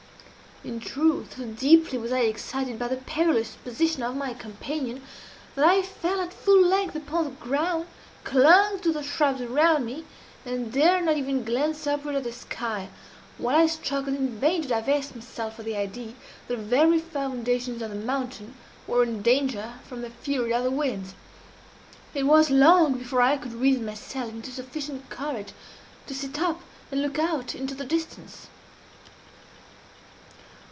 In truth so deeply was I excited by the perilous position of my companion, that I fell at full length upon the ground, clung to the shrubs around me, and dared not even glance upward at the sky while I struggled in vain to divest myself of the idea that the very foundations of the mountain were in danger from the fury of the winds. It was long before I could reason myself into sufficient courage to sit up and look out into the distance.